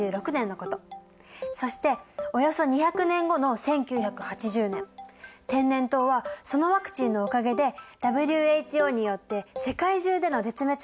そしておよそ２００年後の１９８０年天然痘はそのワクチンのおかげでＷＨＯによって世界中での絶滅宣言が発表されたんだよ。